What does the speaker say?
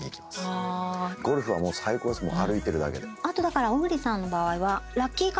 あとだから小栗さんの場合は。